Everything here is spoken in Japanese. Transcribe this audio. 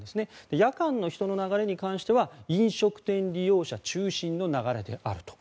夜間の人の流れに関しては飲食店利用者中心の流れであると。